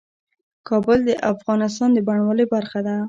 کابل د افغانستان د بڼوالۍ برخه ده.